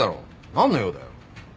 何の用だよ。